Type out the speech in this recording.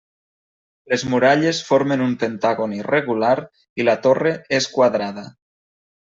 Les muralles formen un pentàgon irregular i la torre és quadrada.